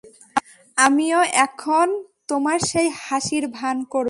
আমিও এখন তোমার সেই হাসির ভান করবো।